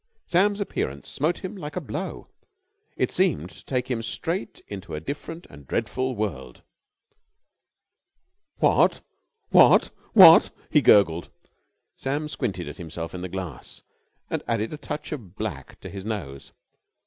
Sam's appearance smote him like a blow. It seemed to take him straight into a different and dreadful world. "What ... what ... what...?" he gurgled. Sam squinted at himself in the glass and added a touch of black to his nose.